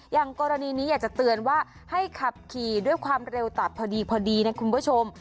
อย่างกรณีนี้อยากจะเตือนว่าให้ขับขี่ด้วยความเร็วตับพอดีพอดีนะคุณผู้ชม